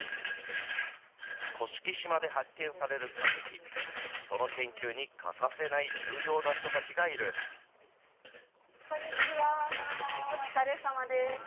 甑島で発見される化石、その研究に欠かせない重要な人たちがこんにちは。